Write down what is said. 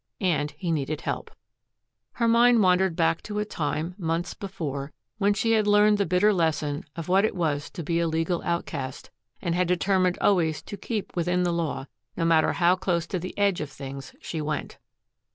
And he needed help. Her mind wandered back to a time, months before, when she had learned the bitter lesson of what it was to be a legal outcast, and had determined always to keep within the law, no matter how close to the edge of things she went.